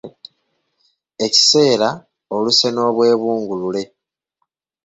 Ekiseera, oluse n’obwebungulule